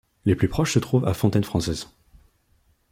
Les plus proches se trouvent à Fontaine-Française.